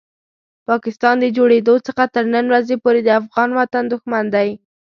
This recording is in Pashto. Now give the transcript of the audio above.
پاکستان د جوړېدو څخه تر نن ورځې پورې د افغان وطن دښمن دی.